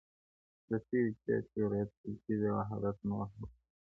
وروسته د کيسې اصلي روايت پيل کيږي او حالت نور هم سختيږي,